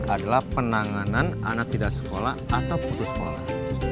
adalah penanganan anak tidak sekolah atau putus sekolah